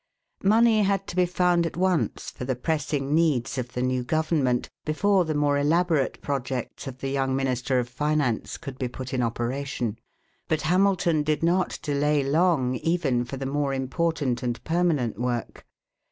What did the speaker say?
Money had to be found at once for the pressing needs of the new government before the more elaborate projects of the young minister of finance could be put in operation. But Hamilton did not delay long even for the more important and permanent work.